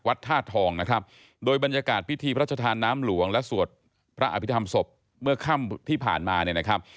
ธาตุทองนะครับโดยบรรยากาศพิธีพระชธานน้ำหลวงและสวดพระอภิษฐรรมศพเมื่อค่ำที่ผ่านมาเนี่ยนะครับ